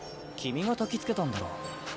君がたきつけたんだろ。